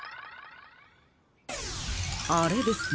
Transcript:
あれですね。